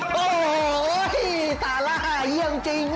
โทรมานโทรมานโทรมาน